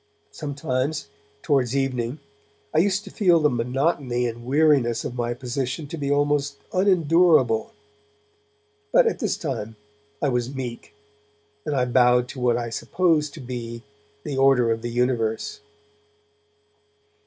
Sometimes, towards evening, I used to feel the monotony and weariness of my position to be almost unendurable, but at this time I was meek, and I bowed to what I supposed to be the order of the universe.